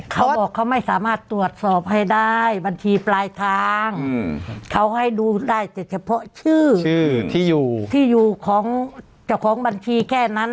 เขาบอกเขาไม่สามารถตรวจสอบให้ได้บัญชีปลายทางเขาให้ดูได้แต่เฉพาะชื่อชื่อที่อยู่ที่อยู่ของเจ้าของบัญชีแค่นั้น